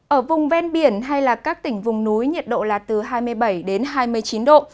ở vùng ven biển hay các tỉnh vùng núi nhiệt độ là từ hai mươi bảy đến hai mươi chín độ